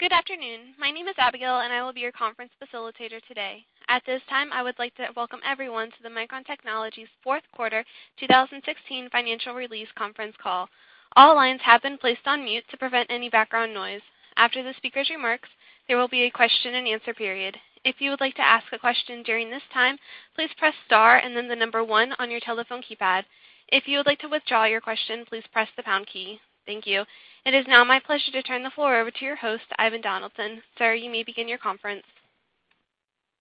Good afternoon. My name is Abigail, and I will be your conference facilitator today. At this time, I would like to welcome everyone to Micron Technology's fourth quarter 2016 financial release conference call. All lines have been placed on mute to prevent any background noise. After the speaker's remarks, there will be a question and answer period. If you would like to ask a question during this time, please press star and then the number one on your telephone keypad. If you would like to withdraw your question, please press the pound key. Thank you. It is now my pleasure to turn the floor over to your host, Ivan Donaldson. Sir, you may begin your conference.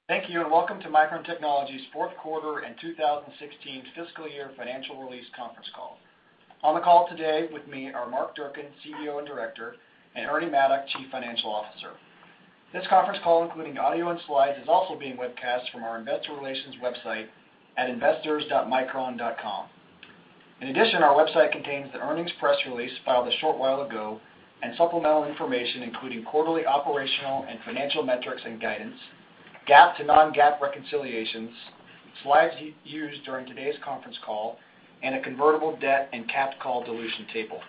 Thank you. Welcome to Micron Technology's fourth quarter and 2016 fiscal year financial release conference call. On the call today with me are Mark Durcan, CEO and Director, and Ernie Maddock, Chief Financial Officer. This conference call, including audio and slides, is also being webcast from our investor relations website at investors.micron.com. In addition, our website contains the earnings press release filed a short while ago and supplemental information, including quarterly operational and financial metrics and guidance, GAAP to non-GAAP reconciliations, slides used during today's conference call, and a convertible debt and capped call dilution table.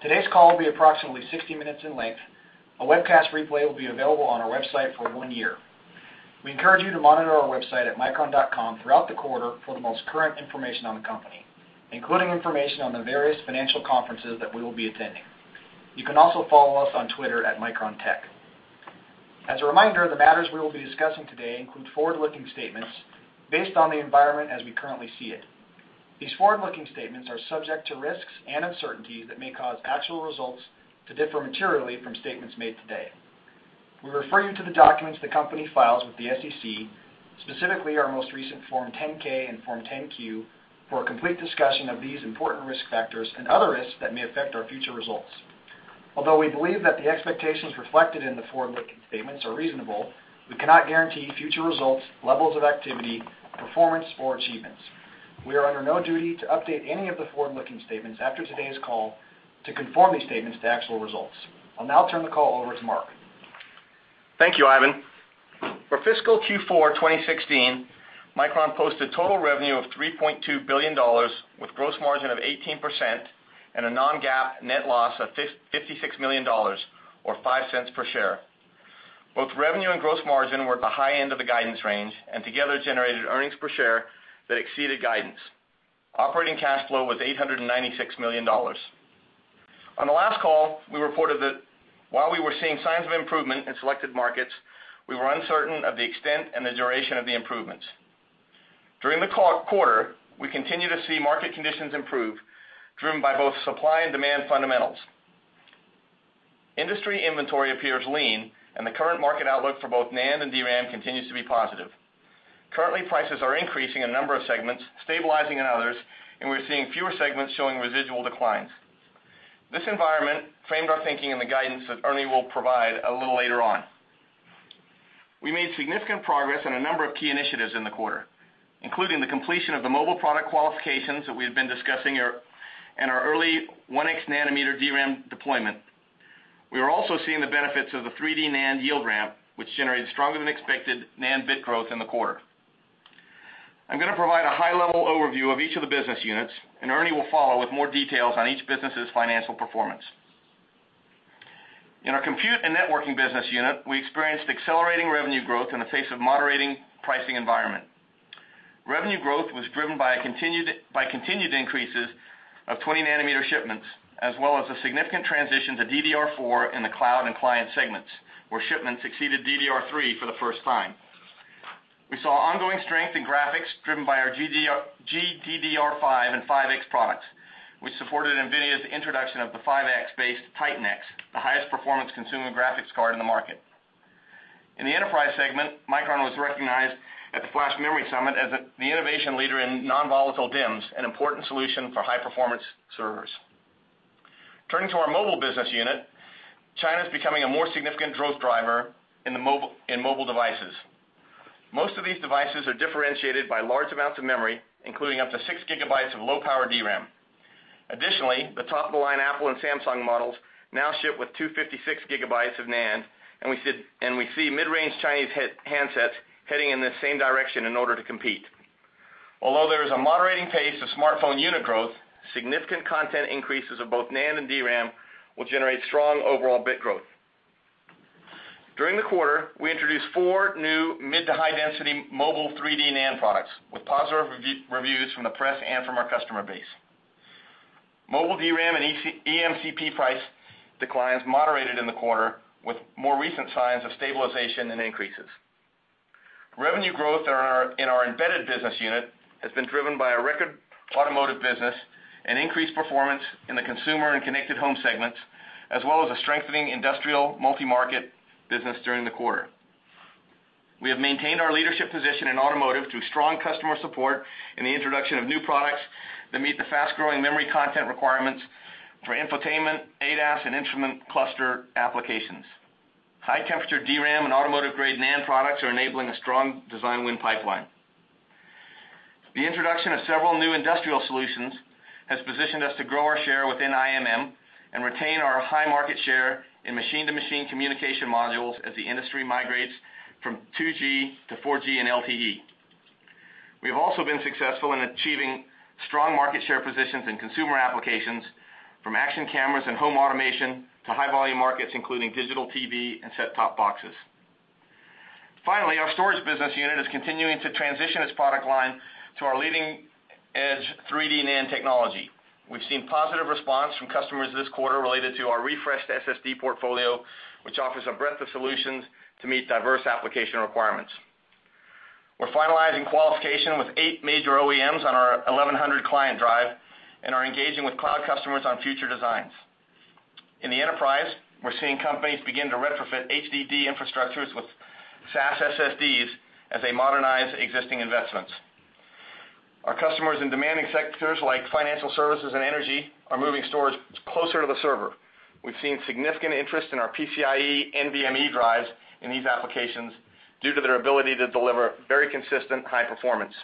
Today's call will be approximately 60 minutes in length. A webcast replay will be available on our website for one year. We encourage you to monitor our website at micron.com throughout the quarter for the most current information on the company, including information on the various financial conferences that we will be attending. You can also follow us on Twitter at MicronTech. As a reminder, the matters we will be discussing today include forward-looking statements based on the environment as we currently see it. These forward-looking statements are subject to risks and uncertainties that may cause actual results to differ materially from statements made today. We refer you to the documents the company files with the SEC, specifically our most recent Form 10-K and Form 10-Q, for a complete discussion of these important risk factors and other risks that may affect our future results. Although we believe that the expectations reflected in the forward-looking statements are reasonable, we cannot guarantee future results, levels of activity, performance, or achievements. We are under no duty to update any of the forward-looking statements after today's call to conform these statements to actual results. I'll now turn the call over to Mark. Thank you, Ivan. For fiscal Q4 2016, Micron posted total revenue of $3.2 billion with gross margin of 18% and a non-GAAP net loss of $56 million, or $0.05 per share. Both revenue and gross margin were at the high end of the guidance range and together generated earnings per share that exceeded guidance. Operating cash flow was $896 million. On the last call, we reported that while we were seeing signs of improvement in selected markets, we were uncertain of the extent and the duration of the improvements. During the quarter, we continue to see market conditions improve, driven by both supply and demand fundamentals. Industry inventory appears lean, and the current market outlook for both NAND and DRAM continues to be positive. Currently, prices are increasing in a number of segments, stabilizing in others, and we're seeing fewer segments showing residual declines. This environment framed our thinking and the guidance that Ernie will provide a little later on. We made significant progress on a number of key initiatives in the quarter, including the completion of the mobile product qualifications that we have been discussing and our early 1x nanometer DRAM deployment. We are also seeing the benefits of the 3D NAND yield ramp, which generated stronger than expected NAND bit growth in the quarter. I'm going to provide a high-level overview of each of the business units, and Ernie will follow with more details on each business's financial performance. In our compute and networking business unit, we experienced accelerating revenue growth in the face of moderating pricing environment. Revenue growth was driven by continued increases of 20 nanometer shipments, as well as a significant transition to DDR4 in the cloud and client segments, where shipments exceeded DDR3 for the first time. We saw ongoing strength in graphics driven by our GDDR5 and 5X products. We supported NVIDIA's introduction of the 5X-based TITAN X, the highest performance consumer graphics card in the market. In the enterprise segment, Micron was recognized at the Flash Memory Summit as the innovation leader in non-volatile DIMMs, an important solution for high-performance servers. Turning to our mobile business unit, China is becoming a more significant growth driver in mobile devices. Most of these devices are differentiated by large amounts of memory, including up to six gigabytes of low-power DRAM. Additionally, the top-of-the-line Apple and Samsung models now ship with 256 gigabytes of NAND, and we see mid-range Chinese handsets heading in the same direction in order to compete. Although there is a moderating pace of smartphone unit growth, significant content increases of both NAND and DRAM will generate strong overall bit growth. During the quarter, we introduced four new mid-to high-density mobile 3D NAND products with positive reviews from the press and from our customer base. Mobile DRAM and EMCP price declines moderated in the quarter with more recent signs of stabilization and increases. Revenue growth in our embedded business unit has been driven by a record automotive business and increased performance in the consumer and connected home segments, as well as a strengthening industrial multi-market business during the quarter. We have maintained our leadership position in automotive through strong customer support and the introduction of new products that meet the fast-growing memory content requirements for infotainment, ADAS, and instrument cluster applications. High-temperature DRAM and automotive-grade NAND products are enabling a strong design win pipeline. The introduction of several new industrial solutions has positioned us to grow our share within IMM and retain our high market share in machine-to-machine communication modules as the industry migrates from 2G to 4G and LTE. We have also been successful in achieving strong market share positions in consumer applications, from action cameras and home automation to high-volume markets, including digital TV and set-top boxes. Finally, our storage business unit is continuing to transition its product line to our leading-edge 3D NAND technology. We've seen positive response from customers this quarter related to our refreshed SSD portfolio, which offers a breadth of solutions to meet diverse application requirements. We're finalizing qualification with eight major OEMs on our 1100 client drive and are engaging with cloud customers on future designs. In the enterprise, we're seeing companies begin to retrofit HDD infrastructures with SAS SSDs as they modernize existing investments. Our customers in demanding sectors like financial services and energy are moving storage closer to the server. We've seen significant interest in our PCIe NVMe drives in these applications due to their ability to deliver very consistent high performance.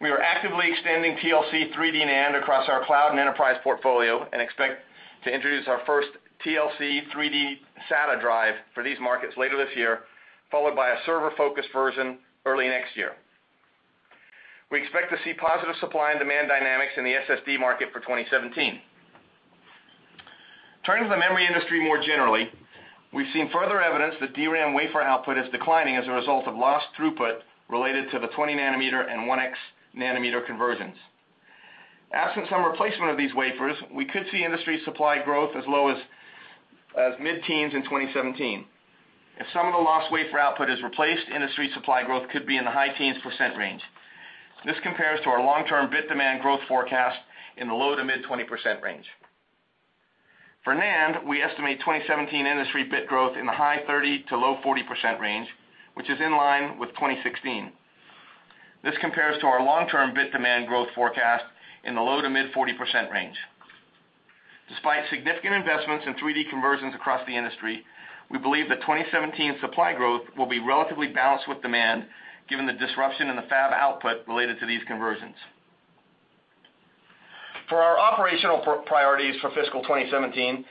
We are actively extending TLC 3D NAND across our cloud and enterprise portfolio and expect to introduce our first TLC 3D SATA drive for these markets later this year, followed by a server-focused version early next year. We expect to see positive supply and demand dynamics in the SSD market for 2017. Turning to the memory industry more generally, we've seen further evidence that DRAM wafer output is declining as a result of lost throughput related to the 20 nanometer and 1x nanometer conversions. Absent some replacement of these wafers, we could see industry supply growth as low as mid-teens in 2017. If some of the lost wafer output is replaced, industry supply growth could be in the high teens % range. This compares to our long-term bit demand growth forecast in the low to mid 20% range. For NAND, we estimate 2017 industry bit growth in the 30%-40% range, which is in line with 2016. This compares to our long-term bit demand growth forecast in the low to mid 40% range. Despite significant investments in 3D conversions across the industry, we believe that 2017 supply growth will be relatively balanced with demand given the disruption in the fab output related to these conversions. Our operational priorities for fiscal 2017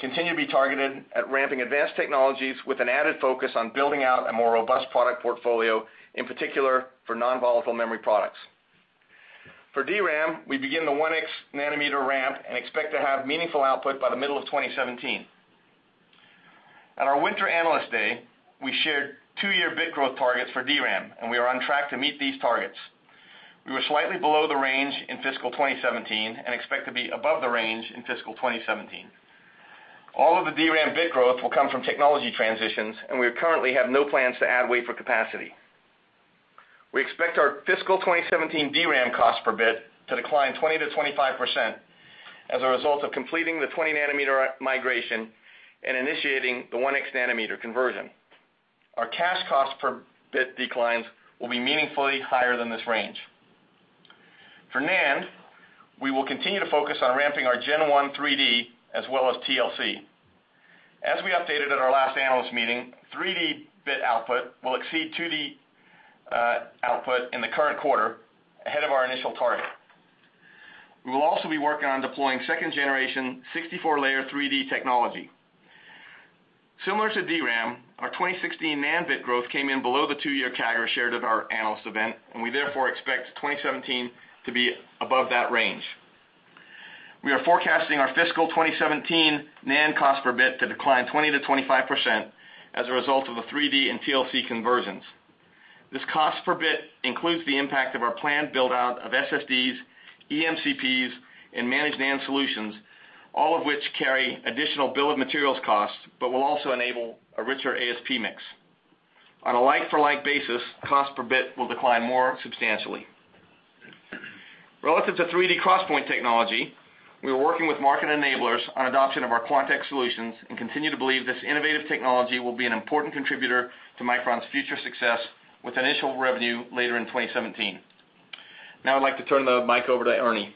continue to be targeted at ramping advanced technologies with an added focus on building out a more robust product portfolio, in particular for non-volatile memory products. For DRAM, we begin the 1x nanometer ramp and expect to have meaningful output by the middle of 2017. At our Winter Analyst Day, we shared two-year bit growth targets for DRAM, and we are on track to meet these targets. We were slightly below the range in fiscal 2016 and expect to be above the range in fiscal 2017. All of the DRAM bit growth will come from technology transitions, and we currently have no plans to add wafer capacity. We expect our fiscal 2017 DRAM cost per bit to decline 20%-25% as a result of completing the 20 nanometer migration and initiating the 1x nanometer conversion. Our cash cost per bit declines will be meaningfully higher than this range. For NAND, we will continue to focus on ramping our Gen 1 3D as well as TLC. As we updated at our last analyst meeting, 3D bit output will exceed 2D output in the current quarter, ahead of our initial target. We will also be working on deploying second generation 64-layer 3D technology. Similar to DRAM, our 2016 NAND bit growth came in below the two-year CAGR shared at our analyst event, and we therefore expect 2017 to be above that range. We are forecasting our fiscal 2017 NAND cost per bit to decline 20%-25% as a result of the 3D and TLC conversions. This cost per bit includes the impact of our planned build-out of SSDs, EMCPs and managed NAND solutions, all of which carry additional bill of materials costs, but will also enable a richer ASP mix. On a like-for-like basis, cost per bit will decline more substantially. Relative to 3D XPoint technology, we are working with market enablers on adoption of our QuantX solutions and continue to believe this innovative technology will be an important contributor to Micron's future success, with initial revenue later in 2017. I'd like to turn the mic over to Ernie.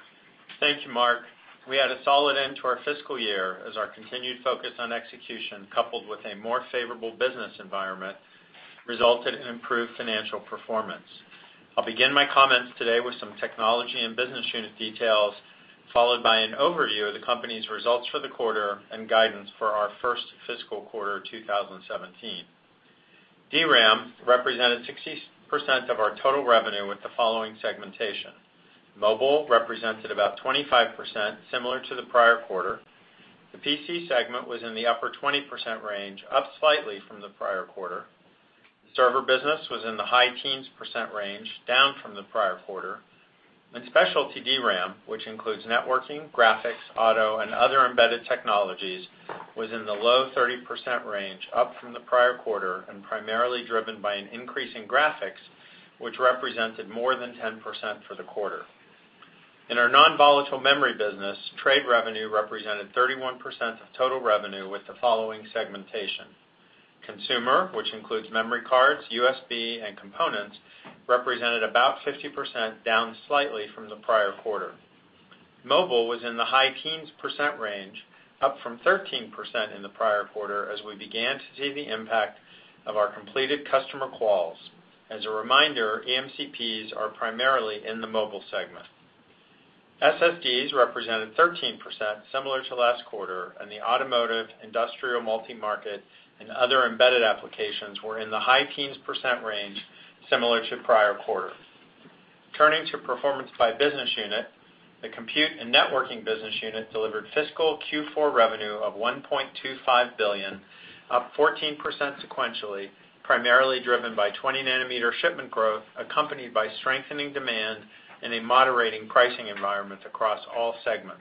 Thank you, Mark. We had a solid end to our fiscal year as our continued focus on execution, coupled with a more favorable business environment, resulted in improved financial performance. I'll begin my comments today with some technology and business unit details, followed by an overview of the company's results for the quarter and guidance for our first fiscal quarter 2017. DRAM represented 60% of our total revenue with the following segmentation. Mobile represented about 25%, similar to the prior quarter. The PC segment was in the upper 20% range, up slightly from the prior quarter. Server business was in the high teens percent range, down from the prior quarter, and specialty DRAM, which includes networking, graphics, auto, and other embedded technologies, was in the low 30% range, up from the prior quarter and primarily driven by an increase in graphics, which represented more than 10% for the quarter. In our non-volatile memory business, trade revenue represented 31% of total revenue with the following segmentation. Consumer, which includes memory cards, USB, and components, represented about 50%, down slightly from the prior quarter. Mobile was in the high teens percent range, up from 13% in the prior quarter as we began to see the impact of our completed customer quals. As a reminder, EMCPs are primarily in the mobile segment. SSDs represented 13%, similar to last quarter, and the automotive, industrial multi-market, and other embedded applications were in the high teens percent range, similar to prior quarter. Turning to performance by business unit, the compute and networking business unit delivered fiscal Q4 revenue of $1.25 billion, up 14% sequentially, primarily driven by 20 nanometer shipment growth, accompanied by strengthening demand and a moderating pricing environment across all segments.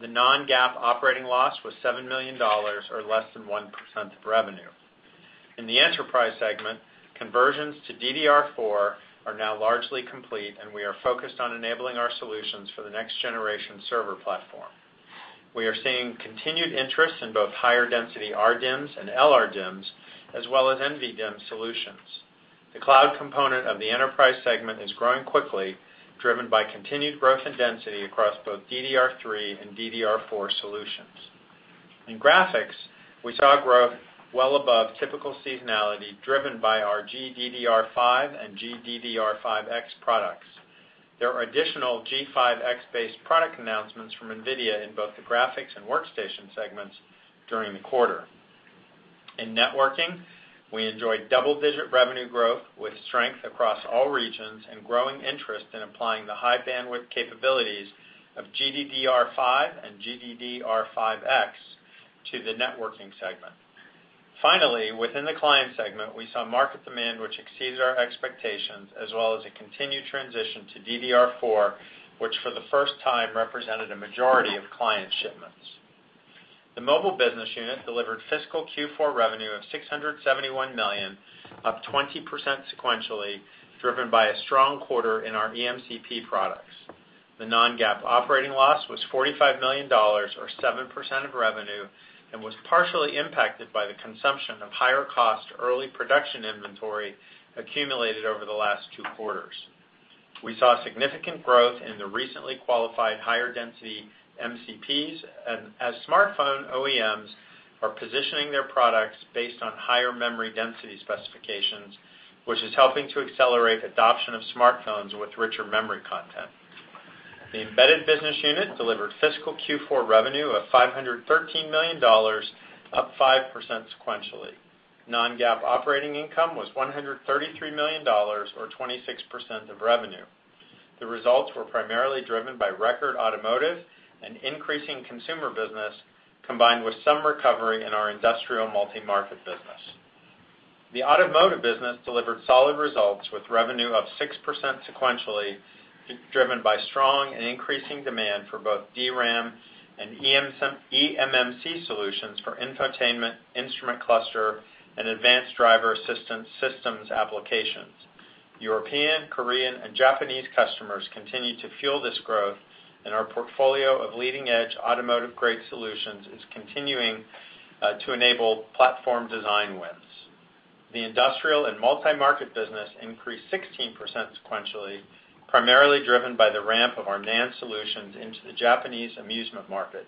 The non-GAAP operating loss was $7 million, or less than 1% of revenue. In the enterprise segment, conversions to DDR4 are now largely complete, and we are focused on enabling our solutions for the next-generation server platform. We are seeing continued interest in both higher density RDIMMs and LRDIMMs, as well as NVDIMM solutions. The cloud component of the enterprise segment is growing quickly, driven by continued growth in density across both DDR3 and DDR4 solutions. In graphics, we saw growth well above typical seasonality, driven by our GDDR5 and GDDR5X products. There are additional G5X-based product announcements from NVIDIA in both the graphics and workstation segments during the quarter. In networking, we enjoyed double-digit revenue growth with strength across all regions and growing interest in applying the high-bandwidth capabilities of GDDR5 and GDDR5X to the networking segment. Within the client segment, we saw market demand which exceeds our expectations, as well as a continued transition to DDR4, which for the first time represented a majority of client shipments. The mobile business unit delivered fiscal Q4 revenue of $671 million, up 20% sequentially, driven by a strong quarter in our EMCP products. The non-GAAP operating loss was $45 million, or 7% of revenue, and was partially impacted by the consumption of higher-cost early production inventory accumulated over the last two quarters. We saw significant growth in the recently qualified higher density MCPs, as smartphone OEMs are positioning their products based on higher memory density specifications, which is helping to accelerate adoption of smartphones with richer memory content. The embedded business unit delivered fiscal Q4 revenue of $513 million, up 5% sequentially. Non-GAAP operating income was $133 million, or 26% of revenue. The results were primarily driven by record automotive and increasing consumer business, combined with some recovery in our industrial multi-market business. The automotive business delivered solid results with revenue up 6% sequentially, driven by strong and increasing demand for both DRAM and eMMC solutions for infotainment, instrument cluster, and advanced driver assistance systems applications. European, Korean, and Japanese customers continue to fuel this growth, and our portfolio of leading-edge automotive-grade solutions is continuing to enable platform design wins. The industrial and multi-market business increased 16% sequentially, primarily driven by the ramp of our NAND solutions into the Japanese amusement market.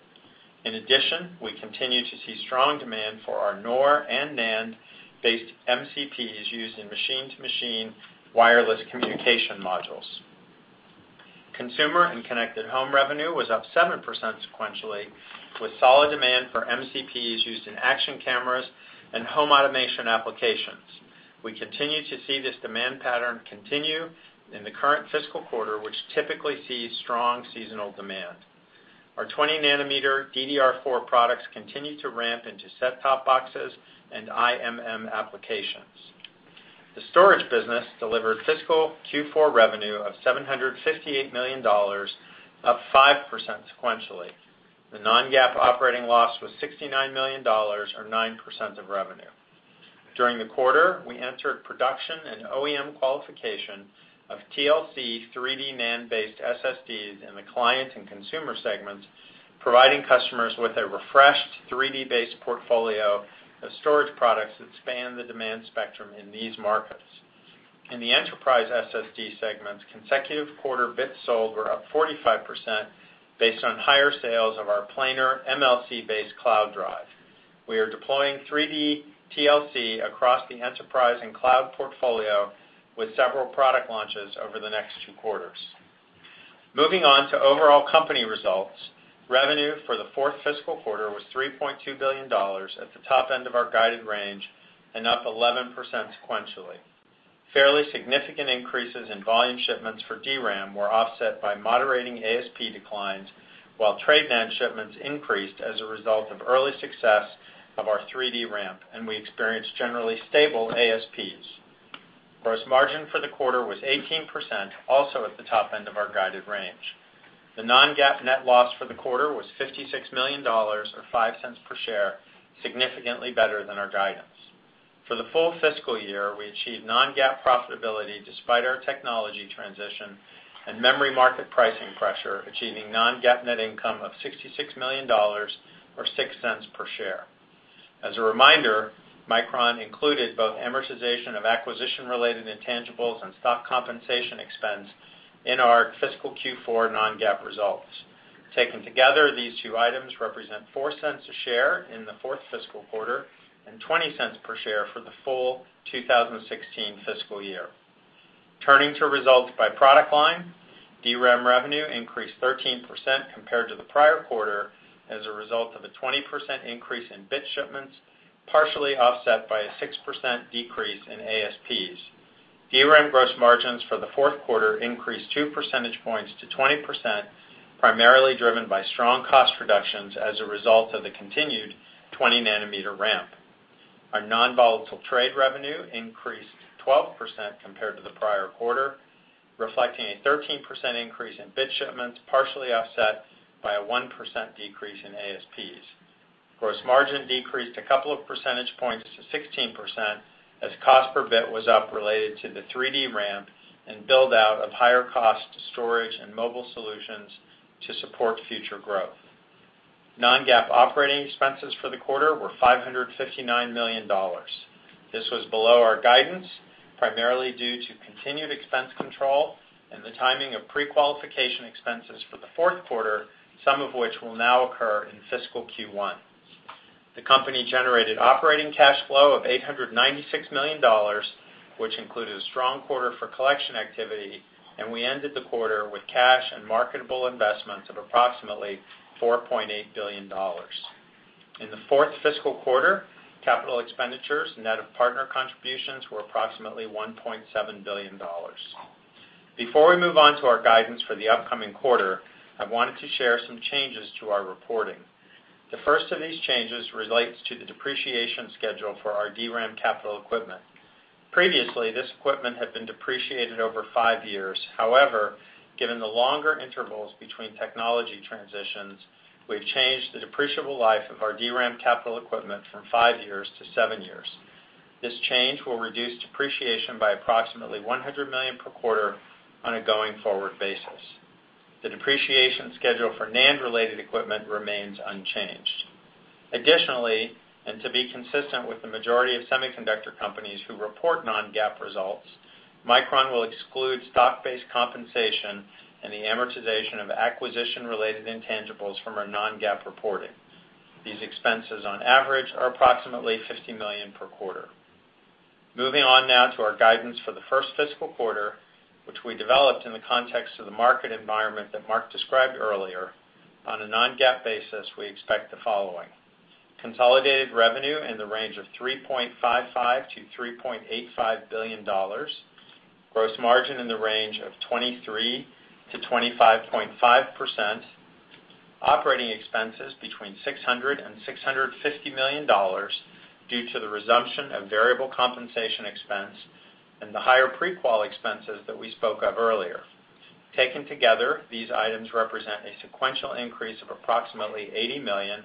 In addition, we continue to see strong demand for our NOR and NAND-based MCPs used in machine-to-machine wireless communication modules. Consumer and connected home revenue was up 7% sequentially, with solid demand for MCPs used in action cameras and home automation applications. We continue to see this demand pattern continue in the current fiscal quarter, which typically sees strong seasonal demand. Our 20 nanometer DDR4 products continue to ramp into set-top boxes and IMM applications. The storage business delivered fiscal Q4 revenue of $758 million, up 5% sequentially. The non-GAAP operating loss was $69 million, or 9% of revenue. During the quarter, we entered production and OEM qualification of TLC 3D NAND-based SSDs in the client and consumer segments, providing customers with a refreshed 3D-based portfolio of storage products that span the demand spectrum in these markets. In the enterprise SSD segments, consecutive quarter bits sold were up 45%, based on higher sales of our planar MLC-based cloud drive. We are deploying 3D TLC across the enterprise and cloud portfolio with several product launches over the next two quarters. To overall company results, revenue for the fourth fiscal quarter was $3.2 billion, at the top end of our guided range and up 11% sequentially. Fairly significant increases in volume shipments for DRAM were offset by moderating ASP declines, while Trade NAND shipments increased as a result of early success of our 3D ramp, and we experienced generally stable ASPs. Gross margin for the quarter was 18%, also at the top end of our guided range. The non-GAAP net loss for the quarter was $56 million, or $0.05 per share, significantly better than our guidance. For the full fiscal year, we achieved non-GAAP profitability despite our technology transition and memory market pricing pressure, achieving non-GAAP net income of $66 million, or $0.06 per share. As a reminder, Micron included both amortization of acquisition-related intangibles and stock compensation expense in our fiscal Q4 non-GAAP results. Taken together, these two items represent $0.04 a share in the fourth fiscal quarter and $0.20 per share for the full 2016 fiscal year. Turning to results by product line, DRAM revenue increased 13% compared to the prior quarter as a result of a 20% increase in bit shipments, partially offset by a 6% decrease in ASPs. DRAM gross margins for the fourth quarter increased two percentage points to 20%, primarily driven by strong cost reductions as a result of the continued 20 nanometer ramp. Our non-volatile trade revenue increased 12% compared to the prior quarter, reflecting a 13% increase in bit shipments, partially offset by a 1% decrease in ASPs. Gross margin decreased a couple of percentage points to 16%, as cost per bit was up related to the 3D ramp and build-out of higher-cost storage and mobile solutions to support future growth. Non-GAAP operating expenses for the quarter were $559 million. This was below our guidance, primarily due to continued expense control and the timing of pre-qualification expenses for the fourth quarter, some of which will now occur in fiscal Q1. The company generated operating cash flow of $896 million, which included a strong quarter for collection activity, and we ended the quarter with cash and marketable investments of approximately $4.8 billion. In the fourth fiscal quarter, capital expenditures net of partner contributions were approximately $1.7 billion. Before we move on to our guidance for the upcoming quarter, I wanted to share some changes to our reporting. The first of these changes relates to the depreciation schedule for our DRAM capital equipment. Previously, this equipment had been depreciated over five years. However, given the longer intervals between technology transitions, we've changed the depreciable life of our DRAM capital equipment from five years to seven years. This change will reduce depreciation by approximately $100 million per quarter on a going-forward basis. The depreciation schedule for NAND-related equipment remains unchanged. Additionally, to be consistent with the majority of semiconductor companies who report non-GAAP results, Micron will exclude stock-based compensation and the amortization of acquisition-related intangibles from our non-GAAP reporting. These expenses, on average, are approximately $50 million per quarter. Moving on now to our guidance for the first fiscal quarter, which we developed in the context of the market environment that Mark described earlier. On a non-GAAP basis, we expect the following. Consolidated revenue in the range of $3.55 billion-$3.85 billion. Gross margin in the range of 23%-25.5%. Operating expenses between $600 million and $650 million due to the resumption of variable compensation expense and the higher pre-qual expenses that we spoke of earlier. Taken together, these items represent a sequential increase of approximately $80 million,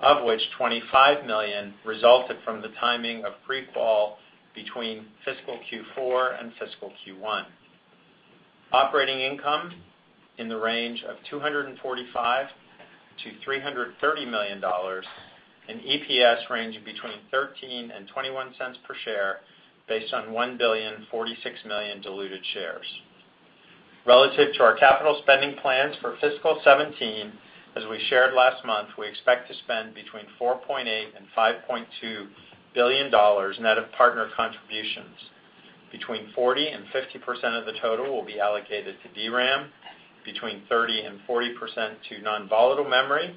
of which $25 million resulted from the timing of pre-qual between fiscal Q4 and fiscal Q1. Operating income in the range of $245 million-$330 million, and EPS ranging between $0.13 and $0.21 per share based on 1,046,000,000 diluted shares. Relative to our capital spending plans for fiscal 2017, as we shared last month, we expect to spend between $4.8 billion and $5.2 billion net of partner contributions. Between 40%-50% of the total will be allocated to DRAM, between 30%-40% to non-volatile memory,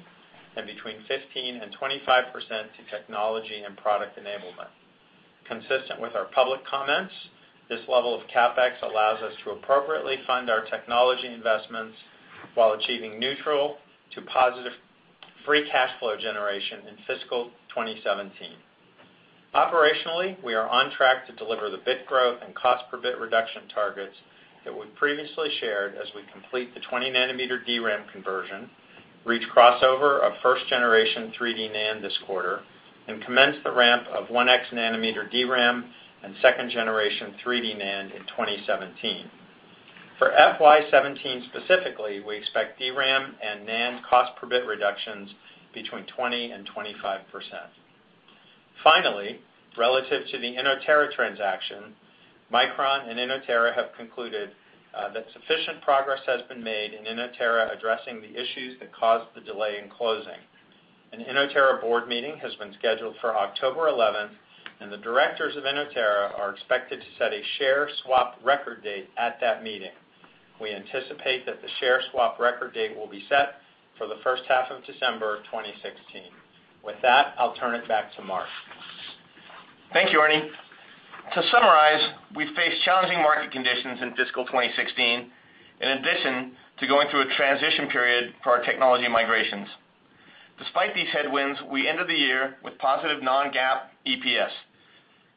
and between 15%-25% to technology and product enablement. Consistent with our public comments, this level of CapEx allows us to appropriately fund our technology investments while achieving neutral to positive free cash flow generation in fiscal 2017. Operationally, we are on track to deliver the bit growth and cost per bit reduction targets that we've previously shared as we complete the 20 nanometer DRAM conversion, reach crossover of first generation 3D NAND this quarter, and commence the ramp of 1x nanometer DRAM and second generation 3D NAND in 2017. For FY 2017 specifically, we expect DRAM and NAND cost per bit reductions between 20%-25%. Finally, relative to the Inotera transaction, Micron and Inotera have concluded that sufficient progress has been made in Inotera addressing the issues that caused the delay in closing. An Inotera board meeting has been scheduled for October 11th, and the directors of Inotera are expected to set a share swap record date at that meeting. We anticipate that the share swap record date will be set for the first half of December 2016. With that, I'll turn it back to Mark. Thank you, Ernie. To summarize, we faced challenging market conditions in fiscal 2016, in addition to going through a transition period for our technology migrations. Despite these headwinds, we ended the year with positive non-GAAP EPS.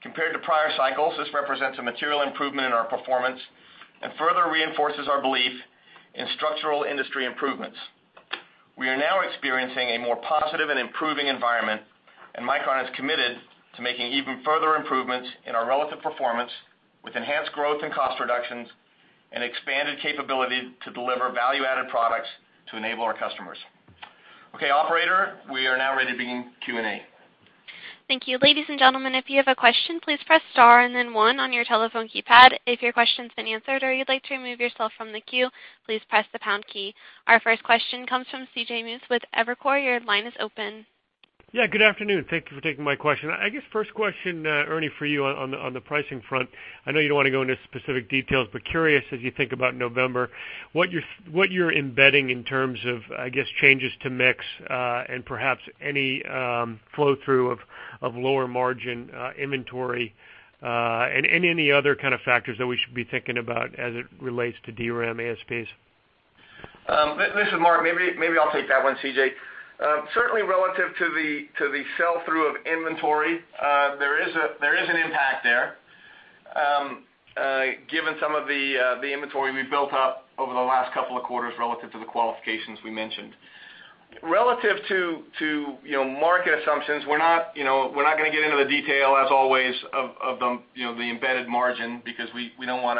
Compared to prior cycles, this represents a material improvement in our performance and further reinforces our belief in structural industry improvements. We are now experiencing a more positive and improving environment, and Micron is committed to making even further improvements in our relative performance, with enhanced growth and cost reductions and expanded capability to deliver value-added products to enable our customers. Okay, operator, we are now ready to begin Q&A. Thank you. Ladies and gentlemen, if you have a question, please press star and then one on your telephone keypad. If your question's been answered or you'd like to remove yourself from the queue, please press the pound key. Our first question comes from CJ Muse with Evercore. Your line is open. Yeah, good afternoon. Thank you for taking my question. I guess first question, Ernie, for you on the pricing front. I know you don't want to go into specific details, but curious as you think about November, what you're embedding in terms of, I guess, changes to mix, and perhaps any flow-through of lower margin inventory, and any other kind of factors that we should be thinking about as it relates to DRAM ASPs. This is Mark. Maybe I'll take that one, CJ. Certainly relative to the sell-through of inventory, there is an impact there, given some of the inventory we've built up over the last couple of quarters relative to the qualifications we mentioned. Relative to market assumptions, we're not going to get into the detail, as always, of the embedded margin because we don't want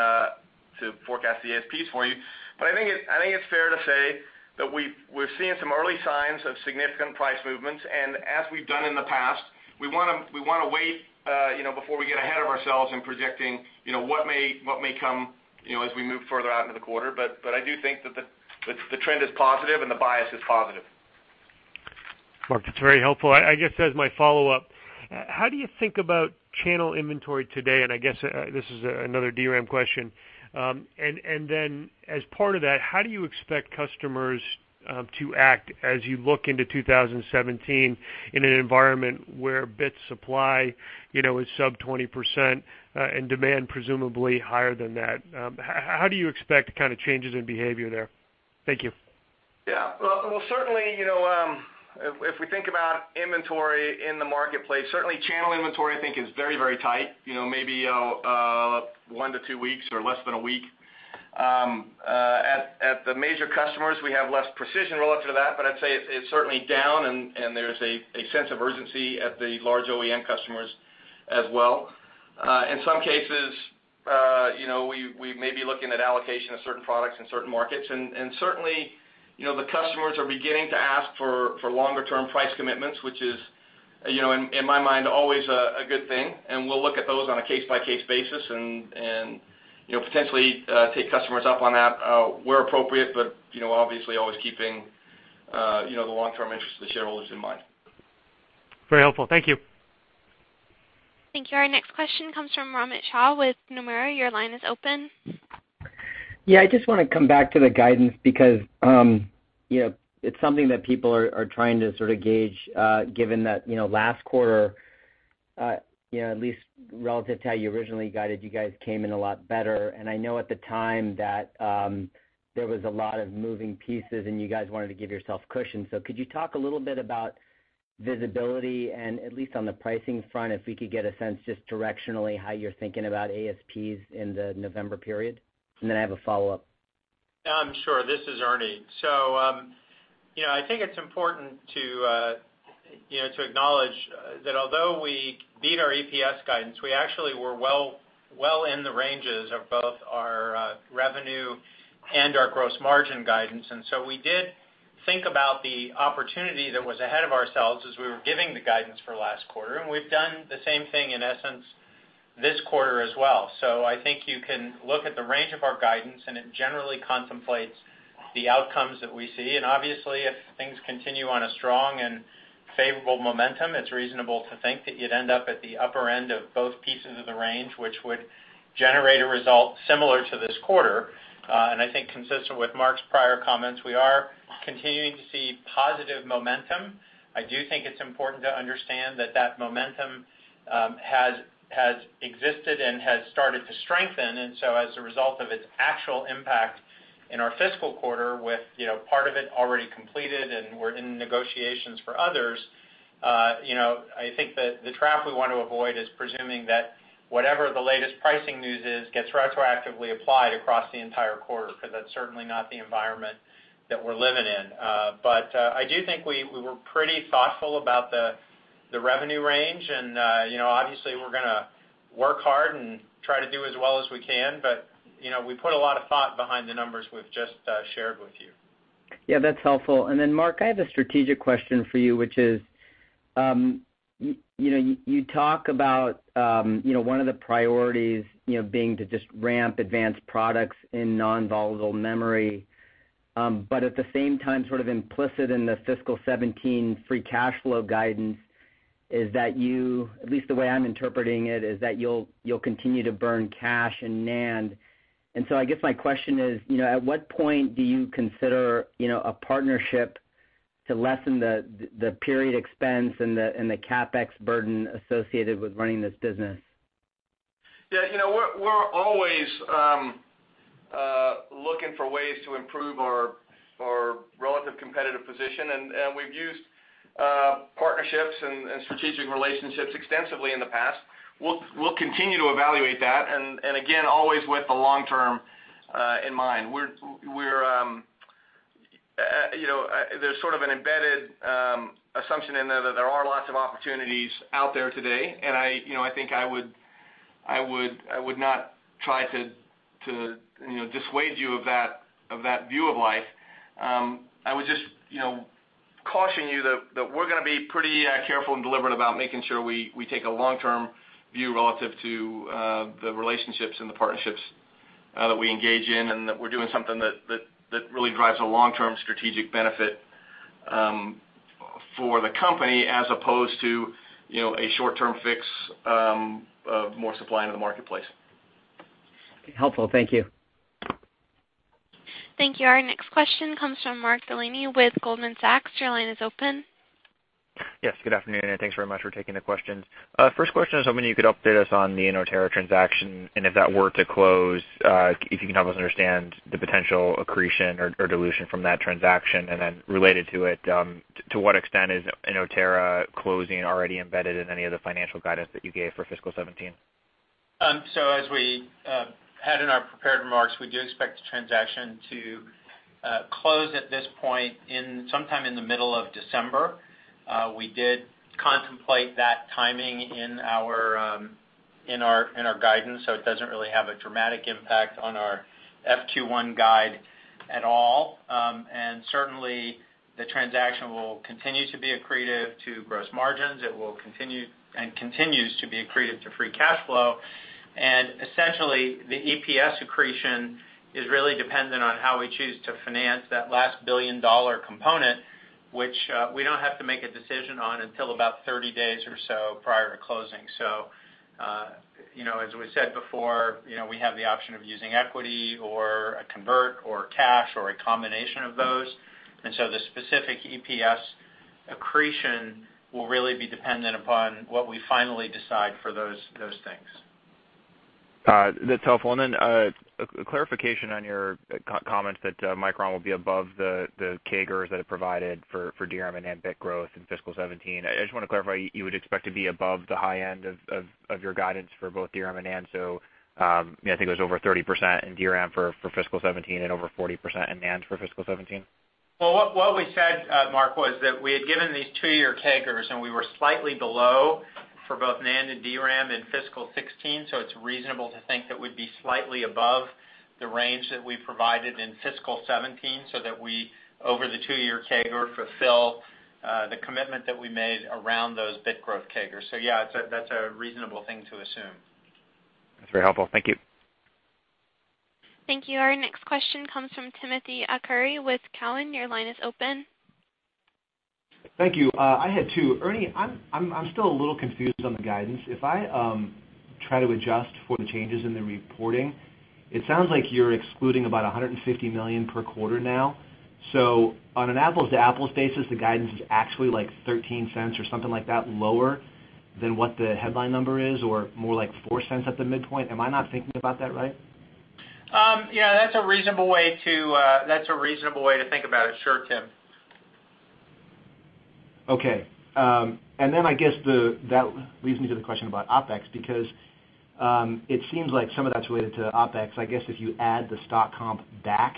to forecast the ASPs for you. I think it's fair to say that we're seeing some early signs of significant price movements. As we've done in the past, we want to wait before we get ahead of ourselves in projecting what may come as we move further out into the quarter. I do think that the trend is positive and the bias is positive. Mark, that's very helpful. I guess as my follow-up, how do you think about channel inventory today? I guess this is another DRAM question. As part of that, how do you expect customers to act as you look into 2017 in an environment where bit supply is sub 20% and demand presumably higher than that? How do you expect kind of changes in behavior there? Thank you. Yeah. Well, certainly, if we think about inventory in the marketplace, certainly channel inventory I think is very tight. Maybe one to two weeks or less than a week. At the major customers, we have less precision relative to that, but I'd say it's certainly down, and there's a sense of urgency at the large OEM customers as well. In some cases, we may be looking at allocation of certain products in certain markets. Certainly, the customers are beginning to ask for longer-term price commitments, which is, in my mind, always a good thing. We'll look at those on a case-by-case basis and potentially take customers up on that where appropriate, but obviously always keeping the long-term interest of the shareholders in mind. Very helpful. Thank you. Thank you. Our next question comes from Romit Shah with Nomura. Your line is open. Yeah, I just want to come back to the guidance because it's something that people are trying to sort of gauge, given that last quarter, at least relative to how you originally guided, you guys came in a lot better. I know at the time that there was a lot of moving pieces, and you guys wanted to give yourself cushion. Could you talk a little bit about visibility and at least on the pricing front, if we could get a sense just directionally how you're thinking about ASPs in the November period? Then I have a follow-up. Sure. This is Ernie. I think it's important to acknowledge that although we beat our EPS guidance, we actually were well in the ranges of both our revenue and our gross margin guidance. We did think about the opportunity that was ahead of ourselves as we were giving the guidance for last quarter, and we've done the same thing, in essence, this quarter as well. I think you can look at the range of our guidance, and it generally contemplates the outcomes that we see. Obviously, if things continue on a strong and favorable momentum, it's reasonable to think that you'd end up at the upper end of both pieces of the range, which would generate a result similar to this quarter. I think consistent with Mark's prior comments, we are continuing to see positive momentum. I do think it's important to understand that that momentum has existed and has started to strengthen. As a result of its actual impact in our fiscal quarter with part of it already completed and we're in negotiations for others, I think that the trap we want to avoid is presuming that whatever the latest pricing news is gets retroactively applied across the entire quarter, because that's certainly not the environment that we're living in. I do think we were pretty thoughtful about the revenue range, and obviously, we're going to work hard and try to do as well as we can. We put a lot of thought behind the numbers we've just shared with you. Yeah, that's helpful. Mark, I have a strategic question for you, which is, you talk about one of the priorities being to just ramp advanced products in non-volatile memory. At the same time, sort of implicit in the fiscal 2017 free cash flow guidance is that you, at least the way I'm interpreting it, is that you'll continue to burn cash in NAND. I guess my question is, at what point do you consider a partnership to lessen the period expense and the CapEx burden associated with running this business? Yeah. We're always looking for ways to improve our relative competitive position, and we've used partnerships and strategic relationships extensively in the past. We'll continue to evaluate that, and again, always with the long term in mind. There's sort of an embedded assumption in there that there are lots of opportunities out there today, and I think I would I would not try to dissuade you of that view of life. I would just caution you that we're going to be pretty careful and deliberate about making sure we take a long-term view relative to the relationships and the partnerships that we engage in, and that we're doing something that really drives a long-term strategic benefit for the company as opposed to a short-term fix of more supply into the marketplace. Helpful. Thank you. Thank you. Our next question comes from Mark Delaney with Goldman Sachs. Your line is open. Yes, good afternoon, thanks very much for taking the questions. First question is, I wonder if you could update us on the Inotera transaction, if that were to close, if you can help us understand the potential accretion or dilution from that transaction. Related to it, to what extent is Inotera closing already embedded in any of the financial guidance that you gave for fiscal 2017? As we had in our prepared remarks, we do expect the transaction to close at this point sometime in the middle of December. We did contemplate that timing in our guidance, so it doesn't really have a dramatic impact on our FQ1 guide at all. Certainly, the transaction will continue to be accretive to gross margins. It will continue and continues to be accretive to free cash flow. Essentially, the EPS accretion is really dependent on how we choose to finance that last $1 billion component, which we don't have to make a decision on until about 30 days or so prior to closing. As we said before, we have the option of using equity or a convert or cash or a combination of those. The specific EPS accretion will really be dependent upon what we finally decide for those things. That's helpful. Then a clarification on your comments that Micron will be above the CAGRs that it provided for DRAM and NAND bit growth in fiscal 2017. I just want to clarify, you would expect to be above the high end of your guidance for both DRAM and NAND. I think it was over 30% in DRAM for fiscal 2017 and over 40% in NAND for fiscal 2017. Well, what we said, Mark, was that we had given these two-year CAGRs, and we were slightly below for both NAND and DRAM in fiscal 2016. It's reasonable to think that we'd be slightly above the range that we provided in fiscal 2017, that we, over the two-year CAGR, fulfill the commitment that we made around those bit growth CAGRs. Yeah, that's a reasonable thing to assume. That's very helpful. Thank you. Thank you. Our next question comes from Timothy Arcuri with Cowen. Your line is open. Thank you. I had two. Ernie, I'm still a little confused on the guidance. If I try to adjust for the changes in the reporting, it sounds like you're excluding about $150 million per quarter now. On an apples-to-apples basis, the guidance is actually $0.13 or something like that lower than what the headline number is, or more like $0.04 at the midpoint. Am I not thinking about that right? Yeah, that's a reasonable way to think about it. Sure, Tim. Okay. I guess that leads me to the question about OpEx, because it seems like some of that's related to OpEx. I guess if you add the stock comp back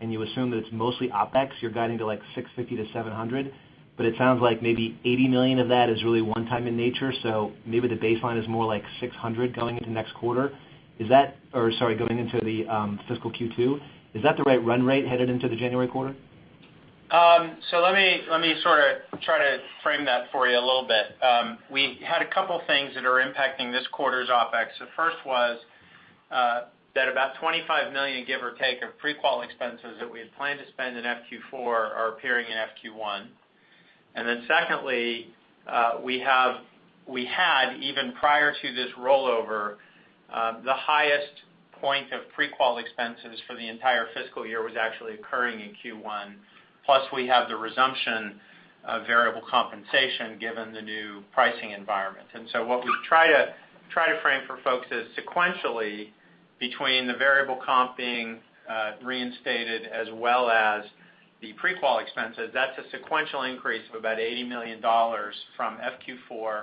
and you assume that it's mostly OpEx, you're guiding to like $650 million-$700 million, it sounds like maybe $80 million of that is really one-time in nature, maybe the baseline is more like $600 million going into next quarter. Going into the fiscal Q2. Is that the right run rate headed into the January quarter? Let me sort of try to frame that for you a little bit. We had a couple things that are impacting this quarter's OpEx. The first was that about $25 million, give or take, of pre-qual expenses that we had planned to spend in FQ4 are appearing in FQ1. Secondly, we had, even prior to this rollover, the highest point of pre-qual expenses for the entire fiscal year was actually occurring in Q1. Plus, we have the resumption of variable compensation given the new pricing environment. What we try to frame for folks is sequentially, between the variable comp being reinstated as well as the pre-qual expenses, that's a sequential increase of about $80 million from FQ4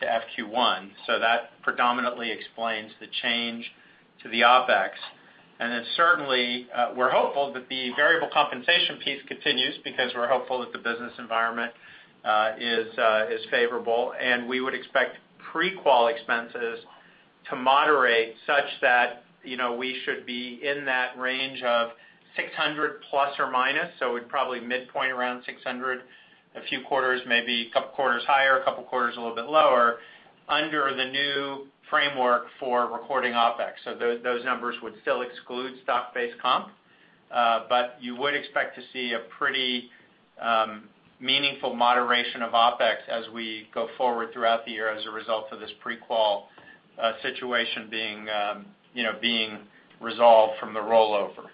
to FQ1. That predominantly explains the change to the OpEx. Certainly, we're hopeful that the variable compensation piece continues because we're hopeful that the business environment is favorable, and we would expect pre-qual expenses to moderate such that we should be in that range of $600 plus or minus. We'd probably midpoint around $600, a few quarters, maybe a couple quarters higher, a couple quarters a little bit lower under the new framework for recording OpEx. Those numbers would still exclude stock-based comp. You would expect to see a pretty meaningful moderation of OpEx as we go forward throughout the year as a result of this pre-qual situation being resolved from the rollover.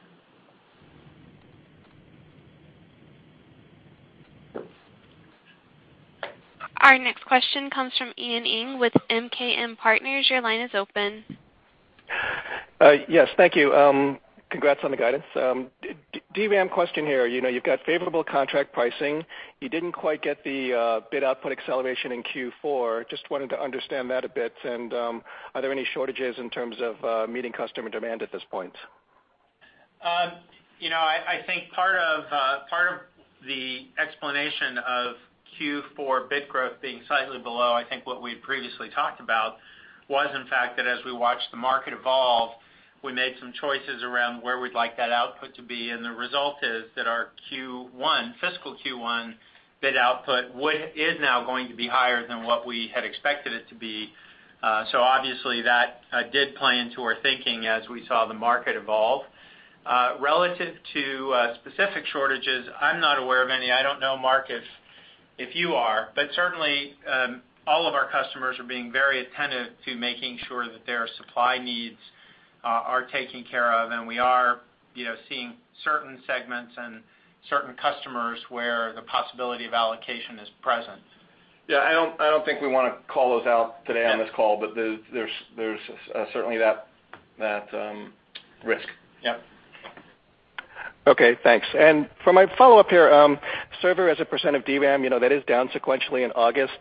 Our next question comes from Ian Ing with MKM Partners. Your line is open. Yes. Thank you. Congrats on the guidance. DRAM question here. You've got favorable contract pricing. You didn't quite get the bit output acceleration in Q4. Just wanted to understand that a bit. Are there any shortages in terms of meeting customer demand at this point? I think part of the explanation of Q4 bit growth being slightly below, I think what we had previously talked about, was in fact, that as we watched the market evolve, we made some choices around where we'd like that output to be, and the result is that our fiscal Q1 bit output is now going to be higher than what we had expected it to be. Obviously that did play into our thinking as we saw the market evolve. Relative to specific shortages, I'm not aware of any. I don't know, Mark, if you are. Certainly, all of our customers are being very attentive to making sure that their supply needs are taken care of, and we are seeing certain segments and certain customers where the possibility of allocation is present. Yeah. I don't think we want to call those out today on this call, but there's certainly that risk. Yep. Okay, thanks. For my follow-up here, server as a percent of DRAM, that is down sequentially in August.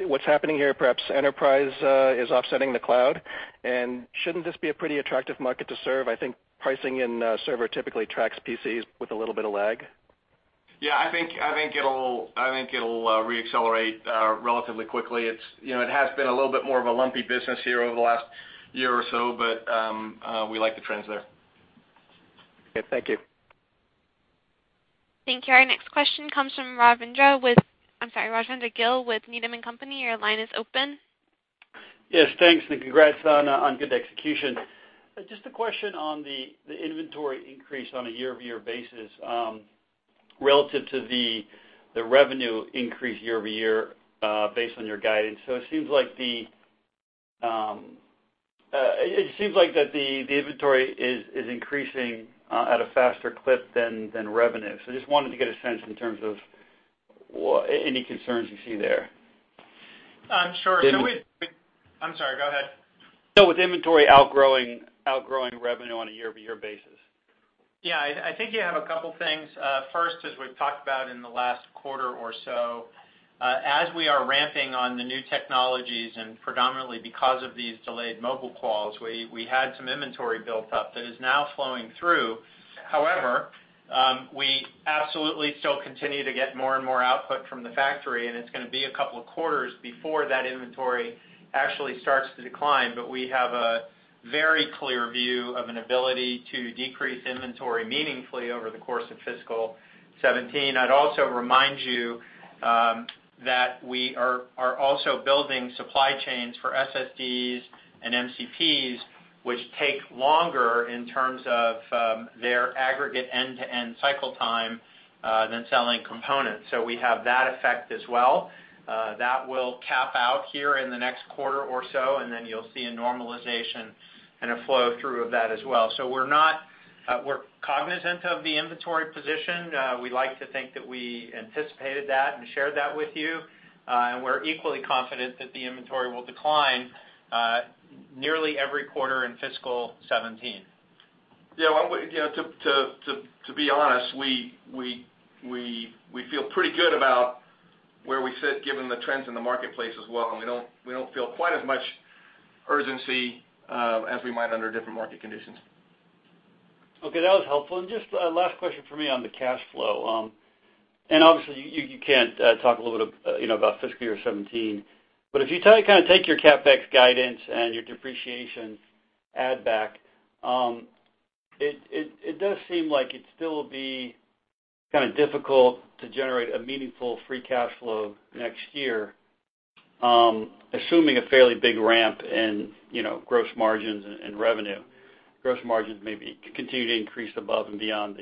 What's happening here? Perhaps enterprise is offsetting the cloud. Shouldn't this be a pretty attractive market to serve? I think pricing in server typically tracks PCs with a little bit of lag. Yeah, I think it'll re-accelerate relatively quickly. It has been a little bit more of a lumpy business here over the last year or so, but we like the trends there. Okay, thank you. Thank you. Our next question comes from Rajvindra Gill with Needham & Company. Your line is open. Yes, thanks. Congrats on good execution. Just a question on the inventory increase on a year-over-year basis, relative to the revenue increase year-over-year, based on your guidance. It seems like that the inventory is increasing at a faster clip than revenue. Just wanted to get a sense in terms of any concerns you see there. Sure. I'm sorry, go ahead. With inventory outgrowing revenue on a year-over-year basis. I think you have a couple things. First, as we've talked about in the last quarter or so, as we are ramping on the new technologies, and predominantly because of these delayed mobile calls, we had some inventory built up that is now flowing through. However, we absolutely still continue to get more and more output from the factory, and it's going to be a couple of quarters before that inventory actually starts to decline. We have a very clear view of an ability to decrease inventory meaningfully over the course of fiscal 2017. I'd also remind you that we are also building supply chains for SSDs and MCPs, which take longer in terms of their aggregate end-to-end cycle time than selling components. We have that effect as well. That will cap out here in the next quarter or so, then you'll see a normalization and a flow-through of that as well. We're cognizant of the inventory position. We'd like to think that we anticipated that and shared that with you. We're equally confident that the inventory will decline nearly every quarter in fiscal 2017. To be honest, we feel pretty good about where we sit, given the trends in the marketplace as well, we don't feel quite as much urgency, as we might under different market conditions. Okay, that was helpful. Just a last question from me on the cash flow. Obviously, you can talk a little bit about fiscal year 2017. If you take your CapEx guidance and your depreciation add back, it does seem like it still will be kind of difficult to generate a meaningful free cash flow next year, assuming a fairly big ramp in gross margins and revenue. Gross margins maybe continue to increase above and beyond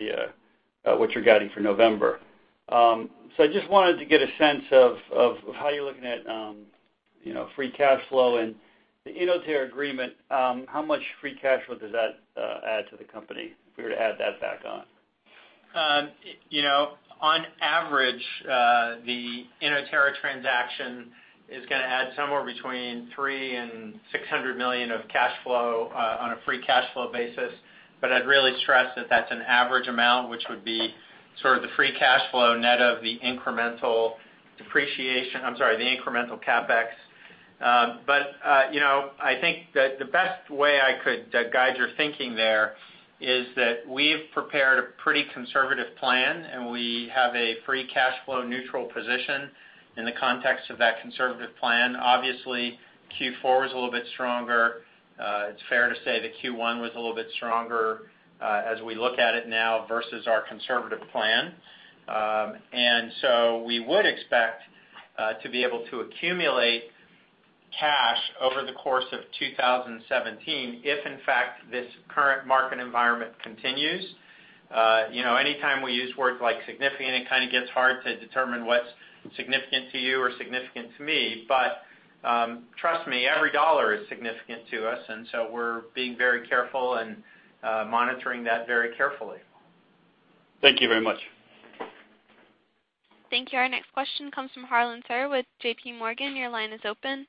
what you're guiding for November. I just wanted to get a sense of how you're looking at free cash flow and the Inotera agreement. How much free cash flow does that add to the company if we were to add that back on? On average, the Inotera transaction is going to add somewhere between $3 million and $600 million of cash flow on a free cash flow basis. I'd really stress that that's an average amount, which would be sort of the free cash flow net of the incremental CapEx. I think that the best way I could guide your thinking there is that we've prepared a pretty conservative plan, and we have a free cash flow neutral position in the context of that conservative plan. Obviously, Q4 was a little bit stronger. It's fair to say that Q1 was a little bit stronger, as we look at it now versus our conservative plan. We would expect to be able to accumulate cash over the course of 2017 if, in fact, this current market environment continues. Anytime we use words like significant, it kind of gets hard to determine what's significant to you or significant to me. Trust me, every dollar is significant to us, and so we're being very careful and monitoring that very carefully. Thank you very much. Thank you. Our next question comes from Harlan Sur with J.P. Morgan. Your line is open.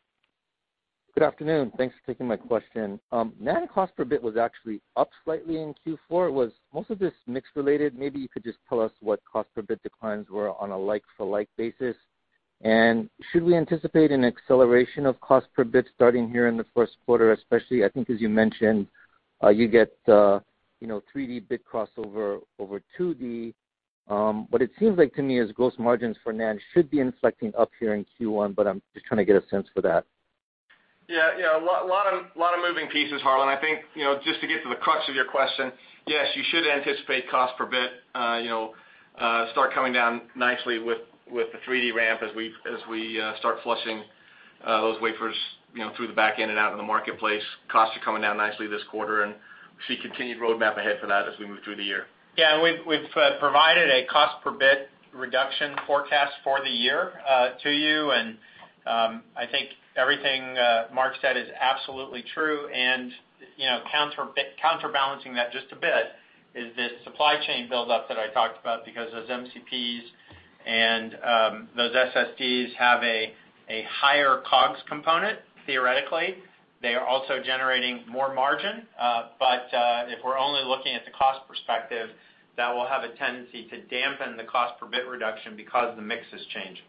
Good afternoon. Thanks for taking my question. NAND cost per bit was actually up slightly in Q4. Was most of this mix related? Maybe you could just tell us what cost per bit declines were on a like-for-like basis. Should we anticipate an acceleration of cost per bit starting here in the first quarter, especially, I think as you mentioned, you get 3D bit crossover over 2D. What it seems like to me is gross margins for NAND should be inflecting up here in Q1, but I'm just trying to get a sense for that. Yeah. A lot of moving pieces, Harlan. I think, just to get to the crux of your question, yes, you should anticipate cost per bit start coming down nicely with the 3D ramp as we start flushing those wafers through the back end and out in the marketplace. Costs are coming down nicely this quarter, and we see continued roadmap ahead for that as we move through the year. Yeah, we've provided a cost per bit reduction forecast for the year to you, and I think everything Mark said is absolutely true, and counterbalancing that just a bit is this supply chain buildup that I talked about because those MCPs and those SSDs have a higher COGS component, theoretically. They are also generating more margin. If we're only looking at the cost perspective, that will have a tendency to dampen the cost per bit reduction because the mix is changing.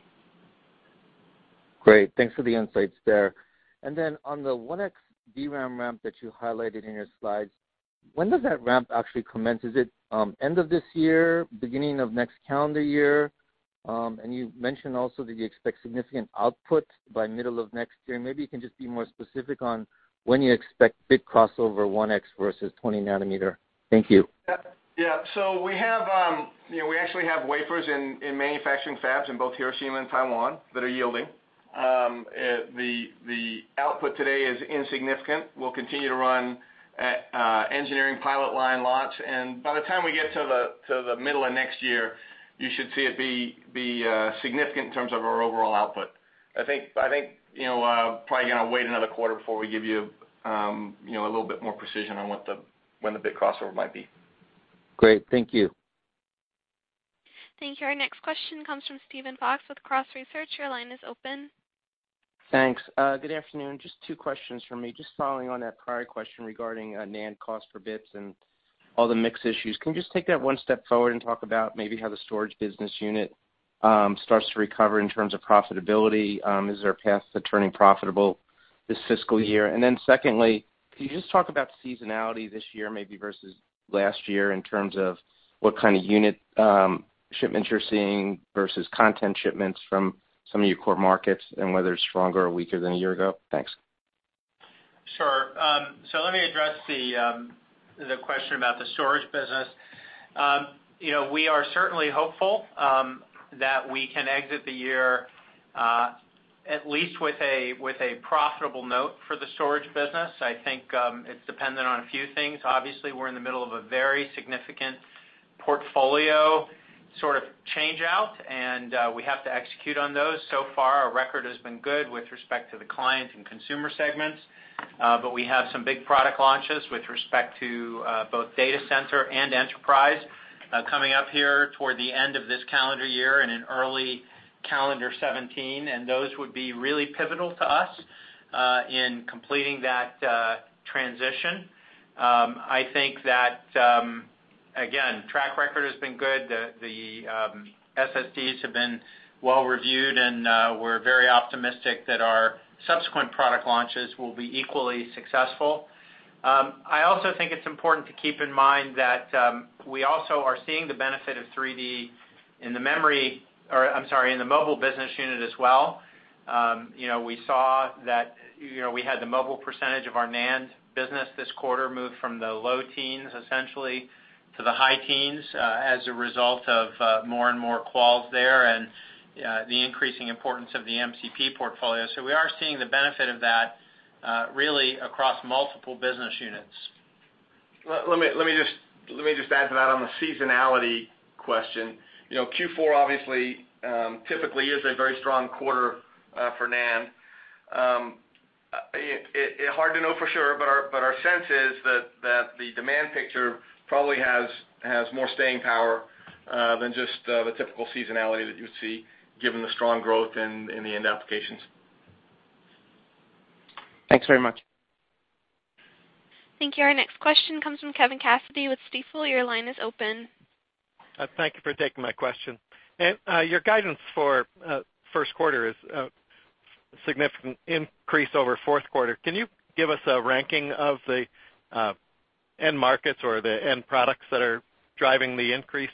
Great. Thanks for the insights there. Then on the 1x DRAM ramp that you highlighted in your slides, when does that ramp actually commence? Is it end of this year, beginning of next calendar year? You mentioned also that you expect significant output by middle of next year. Maybe you can just be more specific on when you expect bit crossover 1x versus 20 nanometer. Thank you. Yeah. We actually have wafers in manufacturing fabs in both Hiroshima and Taiwan that are yielding. The output today is insignificant. We'll continue to run at engineering pilot line lots. By the time we get to the middle of next year, you should see it be significant in terms of our overall output. I think, probably going to wait another quarter before we give you a little bit more precision on when the bit crossover might be. Great. Thank you. Thank you. Our next question comes from Steven Fox with Cross Research. Your line is open. Thanks. Good afternoon. Just two questions from me. Following on that prior question regarding NAND cost per bit and all the mix issues, can you just take that one step forward and talk about maybe how the Storage Business Unit starts to recover in terms of profitability? Is there a path to turning profitable this fiscal year? Secondly, can you just talk about seasonality this year, maybe versus last year, in terms of what kind of unit shipments you're seeing versus content shipments from some of your core markets, and whether it's stronger or weaker than a year ago? Thanks. Sure. Let me address the question about the Storage Business. We are certainly hopeful that we can exit the year at least with a profitable note for the Storage Business. I think it's dependent on a few things. Obviously, we're in the middle of a very significant portfolio sort of change-out, and we have to execute on those. So far, our record has been good with respect to the client and consumer segments. We have some big product launches with respect to both data center and enterprise coming up here toward the end of this calendar year and in early calendar 2017, and those would be really pivotal to us in completing that transition. I think that, again, track record has been good. The SSDs have been well-reviewed, and we're very optimistic that our subsequent product launches will be equally successful. I also think it's important to keep in mind that we also are seeing the benefit of 3D in the Mobile Business Unit as well. We saw that we had the mobile percentage of our NAND Business this quarter move from the low teens, essentially, to the high teens as a result of more and more quals there and the increasing importance of the MCP portfolio. We are seeing the benefit of that really across multiple business units. Let me just add to that on the seasonality question. Q4 obviously, typically is a very strong quarter for NAND. Hard to know for sure, but our sense is that the demand picture probably has more staying power than just the typical seasonality that you would see given the strong growth in the end applications. Thanks very much. Thank you. Our next question comes from Kevin Cassidy with Stifel. Your line is open. Thank you for taking my question. Your guidance for first quarter is a significant increase over fourth quarter. Can you give us a ranking of the end markets or the end products that are driving the increase?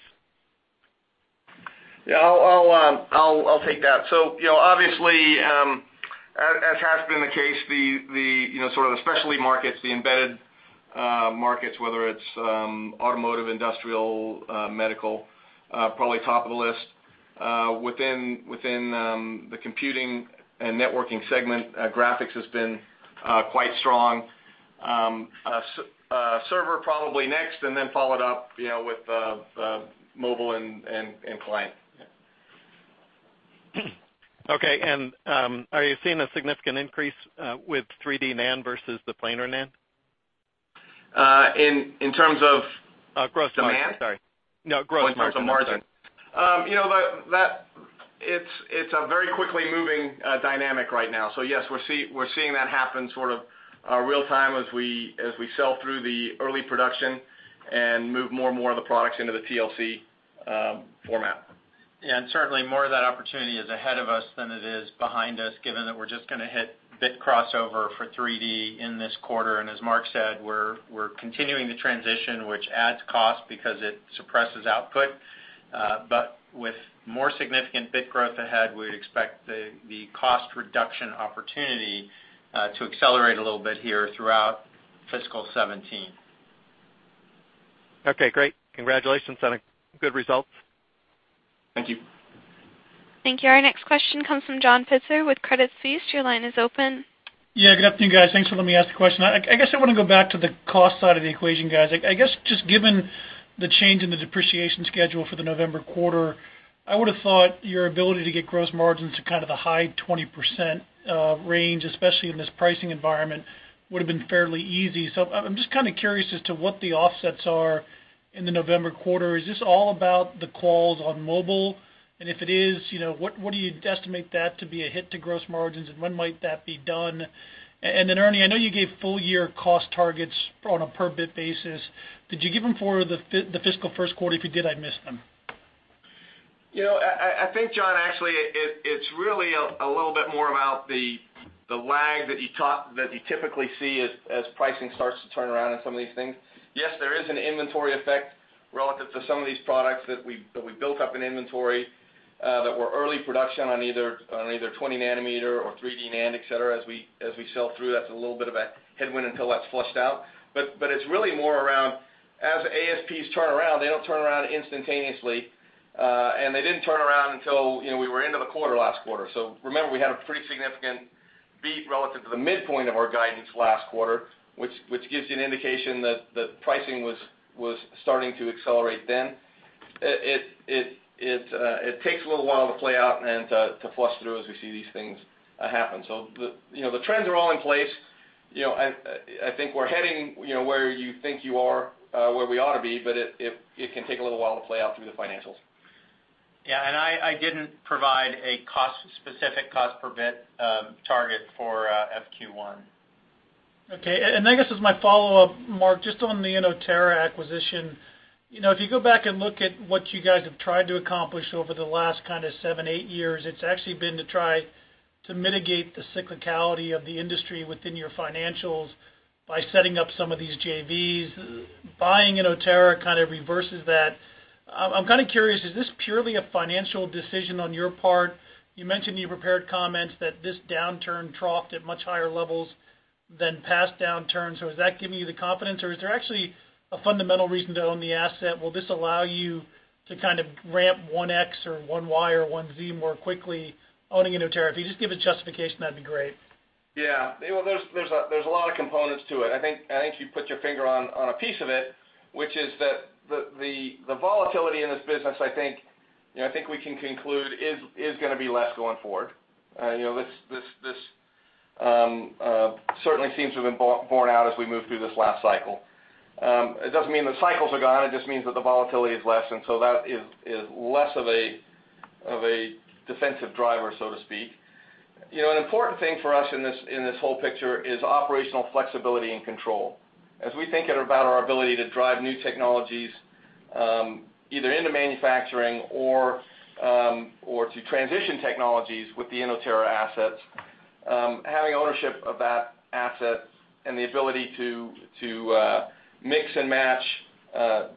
Yeah, I'll take that. Obviously, as has been the case, the sort of specialty markets, the embedded markets, whether it's automotive, industrial, medical, probably top of the list. Within the computing and networking segment, graphics has been quite strong. Server probably next, and then followed up with mobile and client. Yeah. Okay. Are you seeing a significant increase with 3D NAND versus the planar NAND? In terms of demand? Growth markets, sorry. Growth markets. In terms of margin. It's a very quick dynamic right now. Yes, we're seeing that happen sort of real time as we sell through the early production and move more and more of the products into the TLC format. Certainly more of that opportunity is ahead of us than it is behind us, given that we're just going to hit bit crossover for 3D in this quarter. As Mark said, we're continuing the transition, which adds cost because it suppresses output. With more significant bit growth ahead, we'd expect the cost reduction opportunity to accelerate a little bit here throughout fiscal 2017. Okay, great. Congratulations on a good result. Thank you. Thank you. Our next question comes from John Pitzer with Credit Suisse. Your line is open. Yeah, good afternoon, guys. Thanks for letting me ask the question. I guess I want to go back to the cost side of the equation, guys. I guess just given the change in the depreciation schedule for the November quarter, I would've thought your ability to get gross margins to kind of the high 20% range, especially in this pricing environment, would've been fairly easy. I'm just kind of curious as to what the offsets are in the November quarter. Is this all about the quals on mobile? If it is, what do you estimate that to be a hit to gross margins, and when might that be done? Ernie, I know you gave full year cost targets on a per bit basis. Did you give them for the fiscal first quarter? If you did, I missed them. I think John, actually, it's really a little bit more about the lag that you typically see as pricing starts to turn around in some of these things. Yes, there is an inventory effect relative to some of these products that we built up in inventory, that were early production on either 20 nanometer or 3D NAND, et cetera, as we sell through. That's a little bit of a headwind until that's flushed out. It's really more around as ASPs turn around, they don't turn around instantaneously, and they didn't turn around until we were into the quarter last quarter. Remember, we had a pretty significant beat relative to the midpoint of our guidance last quarter, which gives you an indication that the pricing was starting to accelerate then. It takes a little while to play out and to flush through as we see these things happen. The trends are all in place. I think we're heading where you think you are, where we ought to be, it can take a little while to play out through the financials. Yeah, I didn't provide a specific cost per bit target for FQ1. Okay. I guess as my follow-up, Mark, just on the Inotera acquisition. If you go back and look at what you guys have tried to accomplish over the last kind of seven, eight years, it's actually been to try to mitigate the cyclicality of the industry within your financials by setting up some of these JVs. Buying Inotera kind of reverses that. I'm kind of curious, is this purely a financial decision on your part? You mentioned in your prepared comments that this downturn troughed at much higher levels than past downturns. Is that giving you the confidence, or is there actually a fundamental reason to own the asset? Will this allow you to kind of ramp 1x or 1y or 1z more quickly owning Inotera? If you just give a justification, that'd be great. Yeah. Well, there's a lot of components to it. I think you put your finger on a piece of it, which is that the volatility in this business, I think we can conclude is going to be less going forward. This certainly seems to have been borne out as we moved through this last cycle. It doesn't mean the cycles are gone, it just means that the volatility is less, that is less of a defensive driver, so to speak. An important thing for us in this whole picture is operational flexibility and control. As we think about our ability to drive new technologies, either into manufacturing or to transition technologies with the Inotera assets, having ownership of that asset and the ability to mix and match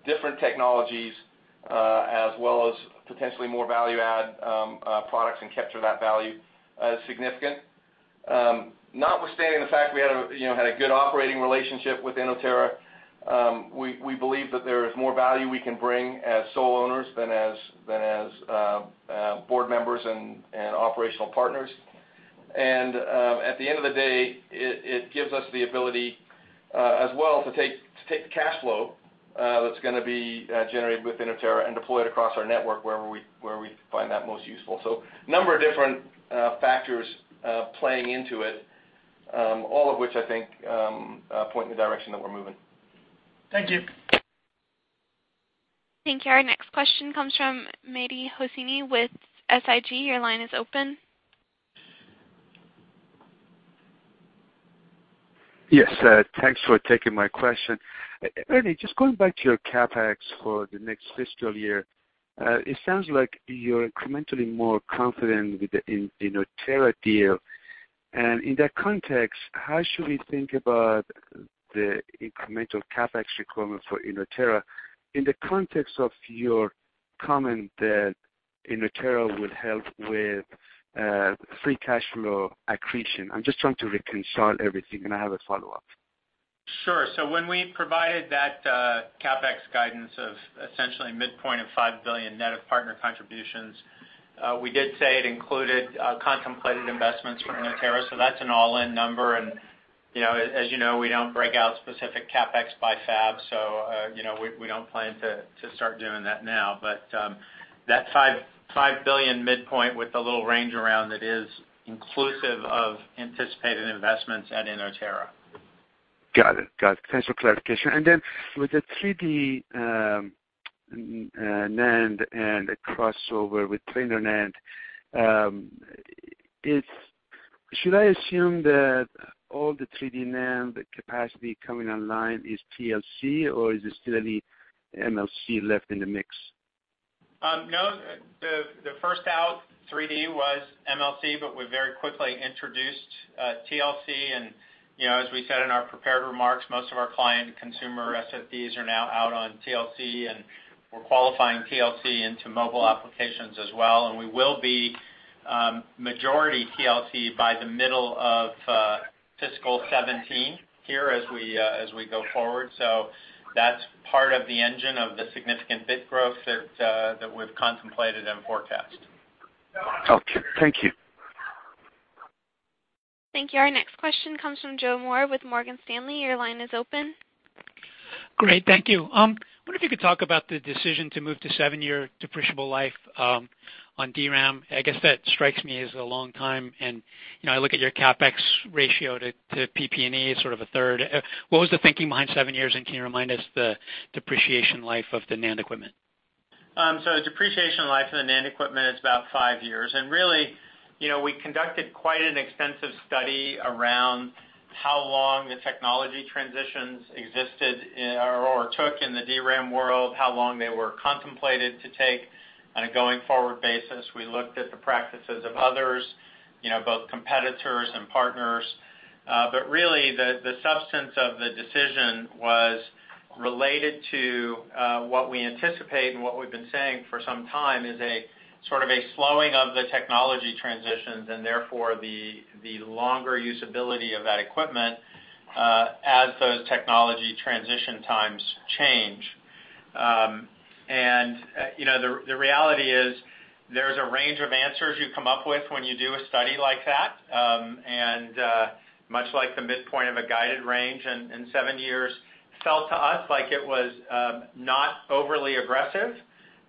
different technologies, as well as potentially more value add products and capture that value is significant. Notwithstanding the fact we had a good operating relationship with Inotera, we believe that there is more value we can bring as sole owners than as board members and operational partners. At the end of the day, it gives us the ability, as well to take the cash flow that's going to be generated with Inotera and deploy it across our network where we find that most useful. Number of different factors playing into it, all of which I think point in the direction that we're moving. Thank you. Thank you. Our next question comes from Mehdi Hosseini with SIG. Your line is open. Yes, thanks for taking my question. Ernie, just going back to your CapEx for the next fiscal year. It sounds like you're incrementally more confident with the Inotera deal. In that context, how should we think about the incremental CapEx requirement for Inotera in the context of your comment that Inotera will help with free cash flow accretion? I'm just trying to reconcile everything, and I have a follow-up. Sure. When we provided that CapEx guidance of essentially midpoint of $5 billion net of partner contributions, we did say it included contemplated investments from Inotera. That's an all-in number, and as you know, we don't break out specific CapEx by fab, so we don't plan to start doing that now. That $5 billion midpoint with the little range around it is inclusive of anticipated investments at Inotera. Got it. Thanks for clarification. With the 3D NAND and the crossover with 3D NAND, should I assume that all the 3D NAND capacity coming online is TLC, or is there still any MLC left in the mix? No, the first out 3D was MLC. We very quickly introduced TLC and, as we said in our prepared remarks, most of our client consumer SSDs are now out on TLC, and we're qualifying TLC into mobile applications as well. We will be majority TLC by the middle of fiscal 2017 here as we go forward. That's part of the engine of the significant bit growth that we've contemplated and forecast. Okay, thank you. Thank you. Our next question comes from Joe Moore with Morgan Stanley. Your line is open. Great. Thank you. I wonder if you could talk about the decision to move to seven-year depreciable life on DRAM. I guess that strikes me as a long time, and I look at your CapEx ratio to PP&E as sort of a third. What was the thinking behind seven years, and can you remind us the depreciation life of the NAND equipment? The depreciation life of the NAND equipment is about five years. Really, we conducted quite an extensive study around how long the technology transitions existed or took in the DRAM world, how long they were contemplated to take on a going-forward basis. We looked at the practices of others, both competitors and partners. Really, the substance of the decision was related to what we anticipate and what we've been saying for some time is a sort of a slowing of the technology transitions, and therefore the longer usability of that equipment, as those technology transition times change. The reality is there's a range of answers you come up with when you do a study like that, and much like the midpoint of a guided range in seven years, felt to us like it was not overly aggressive,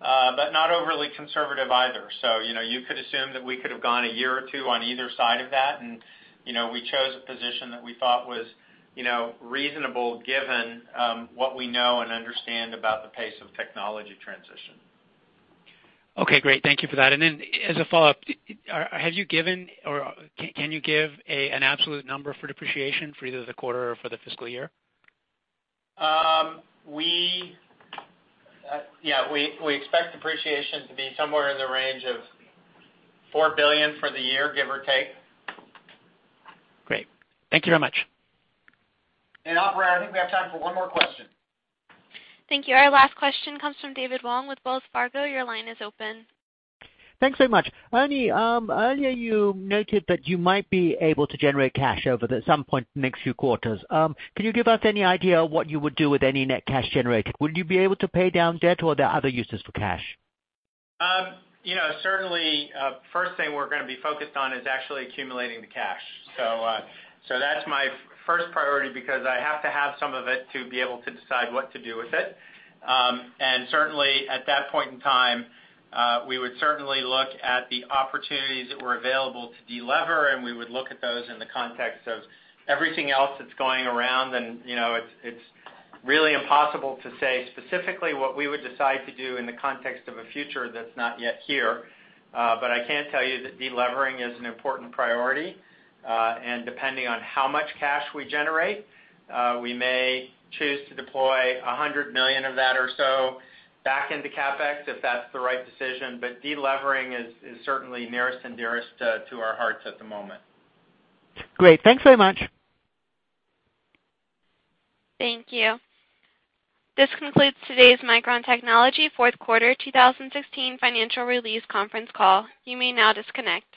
but not overly conservative either. You could assume that we could have gone a year or two on either side of that, we chose a position that we thought was reasonable given what we know and understand about the pace of technology transition. Okay, great. Thank you for that. As a follow-up, have you given or can you give an absolute number for depreciation for either the quarter or for the fiscal year? We expect depreciation to be somewhere in the range of $4 billion for the year, give or take. Great. Thank you very much. Operator, I think we have time for one more question. Thank you. Our last question comes from David Wong with Wells Fargo. Your line is open. Thanks so much. Ernie, earlier you noted that you might be able to generate cash over some point in the next few quarters. Can you give us any idea what you would do with any net cash generated? Would you be able to pay down debt, or are there other uses for cash? Certainly, first thing we're going to be focused on is actually accumulating the cash. That's my first priority because I have to have some of it to be able to decide what to do with it. Certainly, at that point in time, we would certainly look at the opportunities that were available to delever, and we would look at those in the context of everything else that's going around. It's really impossible to say specifically what we would decide to do in the context of a future that's not yet here. I can tell you that de-levering is an important priority, and depending on how much cash we generate, we may choose to deploy $100 million of that or so back into CapEx, if that's the right decision. De-levering is certainly nearest and dearest to our hearts at the moment. Great. Thanks very much. Thank you. This concludes today's Micron Technology fourth quarter 2016 financial release conference call. You may now disconnect.